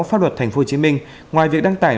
pháp luật tp hcm ngoài việc đăng tải